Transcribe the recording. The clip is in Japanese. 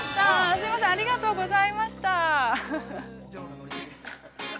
すみません、ありがとうございました。